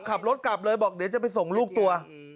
ขับรถกลับเลยบอกเดี๋ยวจะไปส่งลูกตัว